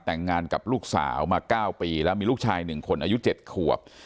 แต่งงานกับลูกสาวมา๙ปีแล้วมีลูกชาย๑คนอายุ๗ขวบ